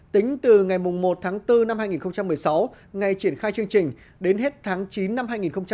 tính từ ngày một tháng bốn năm hai nghìn một mươi sáu ngày triển khai chương trình đến hết tháng chín năm hai nghìn một mươi chín